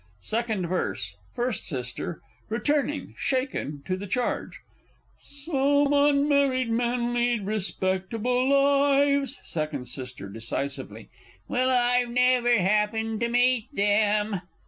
_ Second Verse. First S. (returning, shaken, to the charge). Some _un_married men lead respectable lives. Second S. (decisively). Well, I've never happened to meet them!